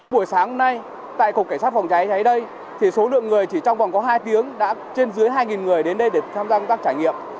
buổi sáng nay tại cục cảnh sát phòng cháy cháy đây thì số lượng người chỉ trong vòng có hai tiếng đã trên dưới hai người đến đây để tham gia công tác trải nghiệm